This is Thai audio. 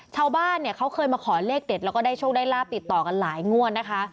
ชาวบ้านเนี่ยเขาเคยมาขอเลขเด็ดแล้วก็ได้โชคได้ลาบติดต่อกันหลายงวดนะคะ